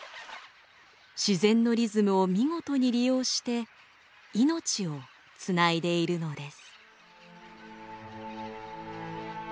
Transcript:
自然のリズムを見事に利用して命をつないでいるのです。